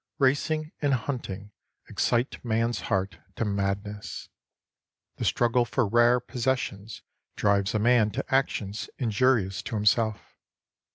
Racing and hunting excite man's heart to madness. The struggle for rare possessions drives a man to actions injurious to himself.